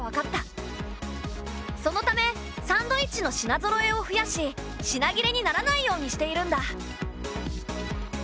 そのためサンドイッチの品ぞろえを増やし品切れにならないようにしているんだ。